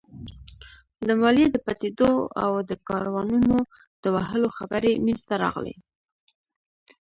د ماليې د پټېدو او د کاروانونو د وهلو خبرې مينځته راغلې.